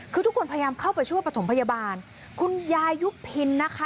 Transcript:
คือทุกคนพยายามเข้าไปช่วยประถมพยาบาลคุณยายยุบพินนะคะ